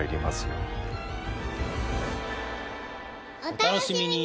お楽しみに！